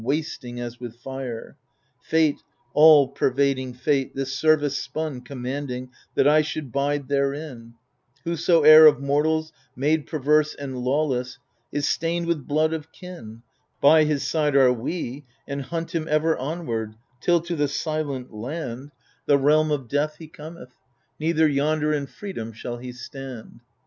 Wasting as widi fire 1 Fate, all pervading Fate, this service spun, com manding That I should bide therein : Whosoe'er of mortals, made perverse and lawless, Is stained with blood of kin, By his side are we, and hunt him ever onward, Till to the Silent Land, { 152 THE FURIES The realm of death, he cometh ; neither yonder In freedom shall he stand.